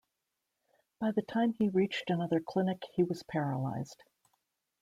By the time he reached another clinic, he was paralyzed.